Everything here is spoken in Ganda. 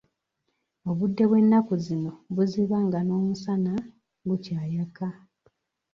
Obudde bw'ennaku zino buziba nga n'omusana gukyayaka.